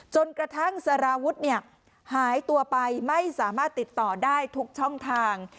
จนกระทั่งสารวุฒิหายตัวไปไม่สามารถติดต่อได้ทุกช่องทาง